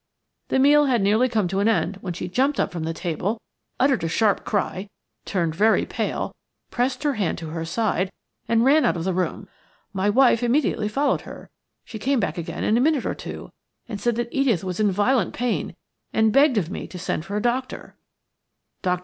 The meal had nearly come to end when she jumped up from the table, uttered a sharp cry, turned very pale, pressed her hand to her side, and ran out of the room. My wife immediately followed her. She came back again in a minute or two, and said that Edith was in violent pain, and begged of me to send for a doctor. Dr.